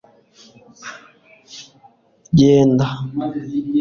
genda